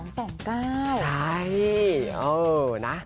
ใช่เออนะ